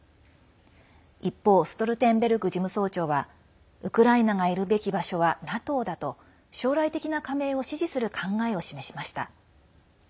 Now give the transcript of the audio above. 一方ストルテンベルグ事務総長はウクライナがいるべき場所はＮＡＴＯだと将来的な加盟を支持する考えを示しました。